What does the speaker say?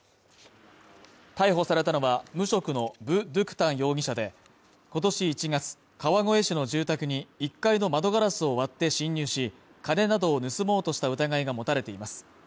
逮捕されたのは、無職のヴ・ドゥク・タン容疑者で、今年１月、川越市の住宅に１階の窓ガラスを割って侵入し、金などを盗もうとした疑いが持たれています。